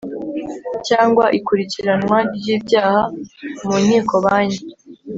cyangwa ikurikiranwa ry icyaha mu nkiko Banki